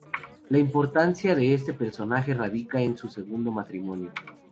La importancia de este personaje radica en su segundo matrimonio.